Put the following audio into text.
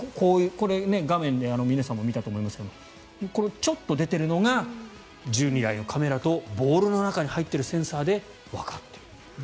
これ、画面で皆さんも見たと思いますがこれ、ちょっと出ているのが１２台のカメラとボールの中に入っているセンサーでわかっていると。